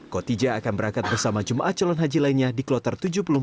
koti jah akan berangkat bersama jum'at calon haji lainnya di kloter tujuh puluh empat